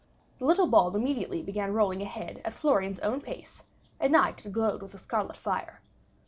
The little ball immediately began rolling ahead at Florian's own pace; at night it glowed with a scarlet fire.